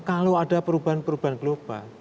kalau ada perubahan perubahan global